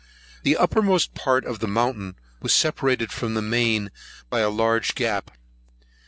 The uppermost part of the mountain was separated from the main by a large gap.